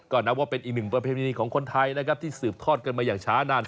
ก็นับว่าเป็นอีกหนึ่งประเพณีของคนไทยนะครับที่สืบทอดกันมาอย่างช้านาน